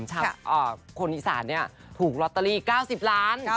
จะเอาคนอิสราดเนี่ยถูกรอตเตอรีกาสิบล้าน